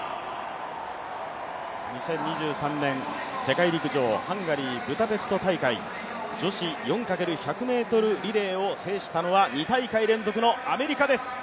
２０２３年、世界陸上ハンガリー・ブダペスト大会女子４×１００ｍリレーを制したのは２大会連続のアメリカです。